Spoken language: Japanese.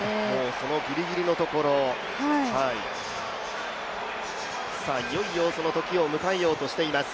そのギリギリのところ、いよいよそのときを迎えようとしています。